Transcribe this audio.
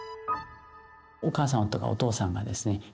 お母さんとかお父さんがですね